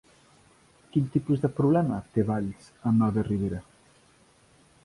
Quin tipus de problema té Valls amb Albert Ribera?